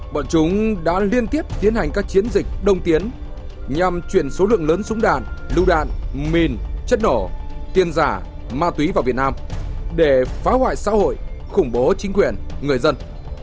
bọn chúng đã liên tiếp tiến hành các chiến dịch đông tiến nhằm chuyển số lượng lớn súng đạn lưu đạn mìn chất nổ tiền giả ma túy vào việt nam để phá hoại xã hội khủng bố chính quyền người dân